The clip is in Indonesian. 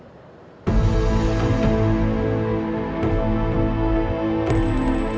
kepala kepala kepala